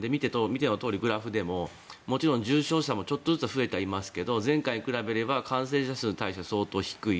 見てのとおりグラフでも重症者もちょっとずつ増えてはいますけど前回に比べれば感染者数に対して相当低い。